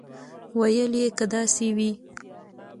ویل یې که داسې وي.